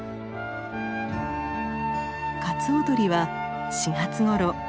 カツオドリは４月ごろ